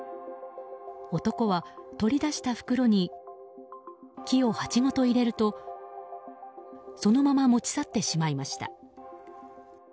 男は取り出した袋に木を鉢ごと入れるとそのまま持ち去ってしまいました。